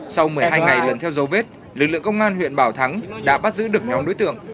sau một mươi hai ngày lần theo dấu vết lực lượng công an huyện bảo thắng đã bắt giữ được nhóm đối tượng